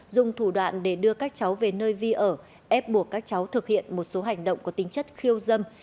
dùng thủ đoạn để đưa các cháu về nơi vi ở ép buộc các cháu thực hiện một số hành động có tính chất khiêu dâm